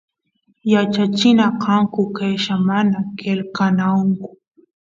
yachachina kanku qella mana qelqananku